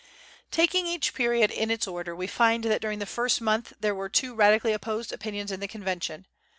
Taking each period in its order, we find that during the first month there were two radically opposed opinions in the Convention.